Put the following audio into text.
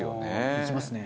行きますね。